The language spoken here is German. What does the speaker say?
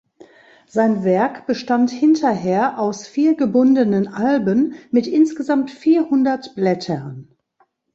Sein Werk bestand hinterher aus vier gebundenen Alben mit insgesamt vierhundert Blättern.